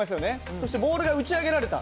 そしてボールが打ち上げられた。